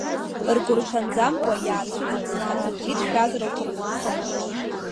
Ргәырҽанӡамкәан иаацәыҵыҵыз акредит шәазар лҭахуп, хымԥада.